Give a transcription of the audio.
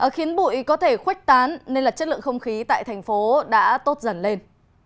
khiến bụi có thể khuếch tán nên là chất lượng không khí tại thành phố đã tốt dần lên